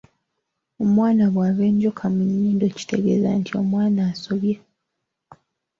Omwana bw’ava enjoka mu nnyindo kitegeza nti omwana asobye.